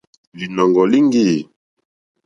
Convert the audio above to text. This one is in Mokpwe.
Lìnɔ̀ŋɡɔ̀ líŋɡî.